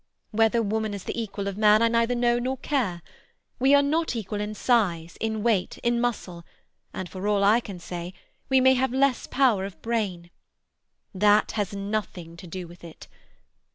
Whether woman is the equal of man I neither know nor care. We are not his equal in size, in weight, in muscle, and, for all I can say, we may have less power of brain. That has nothing to do with it.